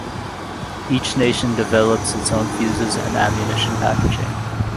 Each nation developed its own fuzes and ammunition packaging.